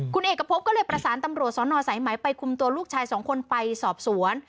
คุณเอกพบก็เลยประสานตำรวจสนสายไหมไปคุมตัวลูกชายสองคนไปสอบสวน